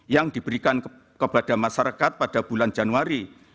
yang diberikan kepada masyarakat pada bulan januari